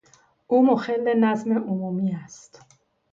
او، مخل نظم عمومی است